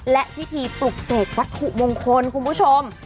และพิธีปลุกเสกวัตถุมงคลคุณผู้ชม